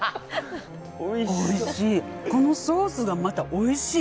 おいしい。